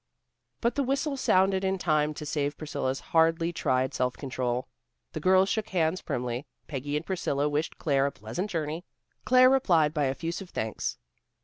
But the whistle sounded in time to save Priscilla's hardly tried self control. The girls shook hands primly. Peggy and Priscilla wished Claire a pleasant journey. Claire replied by effusive thanks.